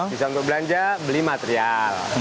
bisa belanja beli material